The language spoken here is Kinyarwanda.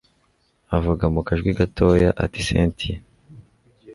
avuga mukajwi gatoya ati cyntia